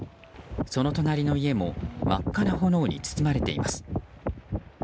その隣の家も真っ赤な炎に包まれています。